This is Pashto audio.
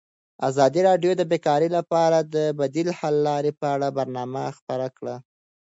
ازادي راډیو د بیکاري لپاره د بدیل حل لارې په اړه برنامه خپاره کړې.